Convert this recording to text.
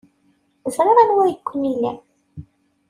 Ẓriɣ anwa ay ken-ilan.